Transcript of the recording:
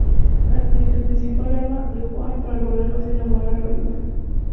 El principal arma de Juan para lograrlo es enamorar a la viuda.